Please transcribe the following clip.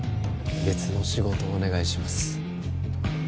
別の仕事をお願いします